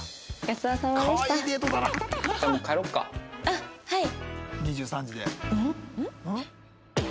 あっはい。